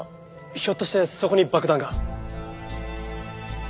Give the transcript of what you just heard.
ひょっとしてそこに爆弾が？